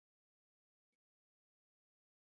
افغانستان د بدخشان له امله شهرت لري.